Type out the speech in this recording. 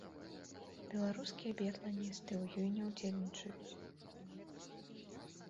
Беларускія біятланісты ў ёй не ўдзельнічаюць.